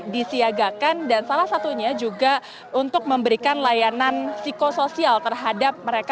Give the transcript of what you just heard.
disiagakan dan salah satunya juga untuk memberikan layanan psikosoial terhadap mereka